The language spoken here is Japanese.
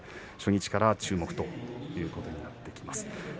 初日から注目ということになります。